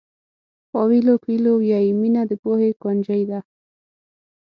پاویلو کویلو وایي مینه د پوهې کونجۍ ده.